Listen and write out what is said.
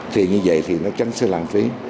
thì như vậy thì nó tránh sự lãng phí